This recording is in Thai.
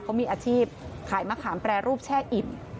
เขามีอาชีพขายมะขามแปรรูปแช่อิ่ม